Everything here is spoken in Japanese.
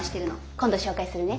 今度紹介するね。